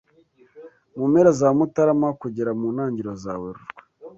Mu mpera za Mutarama kugera mu ntangiriro za Werurwe,